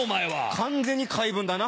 完全に回文だな。